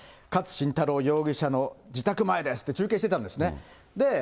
勝新太郎容疑者の自宅前ですって中継してたんですね。